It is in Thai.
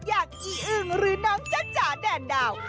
อยากอีอึงหรือน้องจ้าแดนดาว